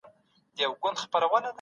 د تيوري او عمل امتزاج تر بېلتون ښه دی.